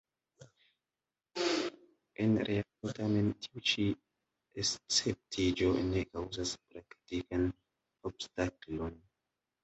En realo tamen tiu ĉi esceptiĝo ne kaŭzas praktikan obstaklon.